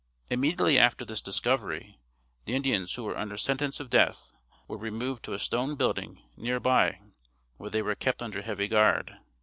Immediately after this discovery the Indians who were under sentence of death were removed to a stone building near by where they were kept under heavy guard.